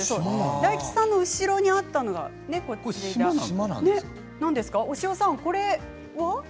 大吉さんの後ろにあったのが、これは？